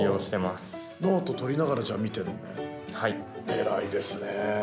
偉いですね。